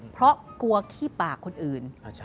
เพราะกลัวขี้ปากคนอื่น